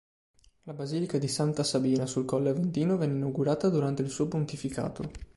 La basilica di Santa Sabina sul Colle Aventino venne inaugurata durante il suo pontificato.